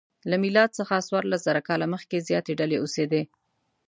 له میلاد څخه څوارلسزره کاله مخکې زیاتې ډلې اوسېدې.